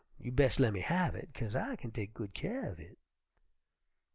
You bes' lemme have hit, 'kase I kin tek good kyare uv hit.'